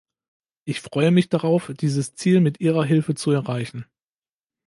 Ich freue mich darauf, dieses Ziel mit Ihrer Hilfe zu erreichen.